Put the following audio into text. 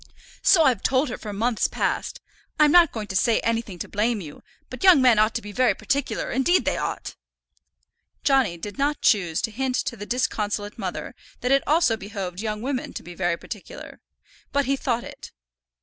"So I've told her for months past. I'm not going to say anything to blame you; but young men ought to be very particular; indeed they ought." Johnny did not choose to hint to the disconsolate mother that it also behoved young women to be very particular, but he thought it.